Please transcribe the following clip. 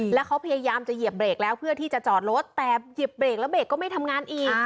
แล้วเขาพยายามจะเหยียบเบรกแล้วเพื่อที่จะจอดรถแต่เหยียบเบรกแล้วเบรกก็ไม่ทำงานอีก